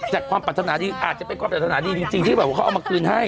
ความปรารถนาดีอาจจะเป็นความปรารถนาดีจริงที่แบบว่าเขาเอามาคืนให้